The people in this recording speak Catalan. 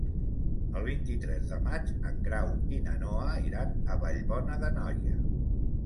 El vint-i-tres de maig en Grau i na Noa iran a Vallbona d'Anoia.